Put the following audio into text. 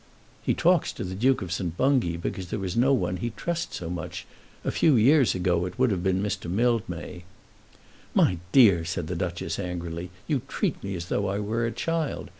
"He talks to the Duke of St. Bungay because there is no one he trusts so much. A few years ago it would have been Mr. Mildmay." "My dear," said the Duchess angrily, "you treat me as though I were a child.